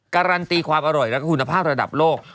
การันตีความอร่อยและคุณภาพระดับโลก